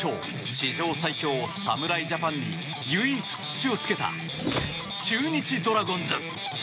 史上最強侍ジャパンに唯一、土をつけた中日ドラゴンズ。